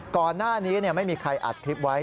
ก่อนหน้านี้ไม่มีใครอัดคลิปไว้